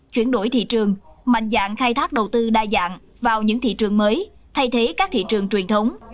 chuyển đổi thị trường mạnh dạng khai thác đầu tư đa dạng vào những thị trường mới thay thế các thị trường truyền thống